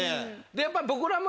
やっぱり僕らも。